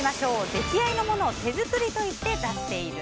出来合いのものを手作りといって出している？